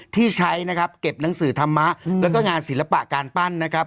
ที่ใช้นะครับเก็บหนังสือธรรมะแล้วก็งานศิลปะการปั้นนะครับ